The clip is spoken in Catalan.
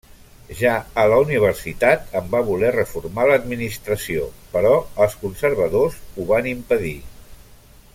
Ja a la universitat en va voler reformar l'administració però els conservadors ho van impedir.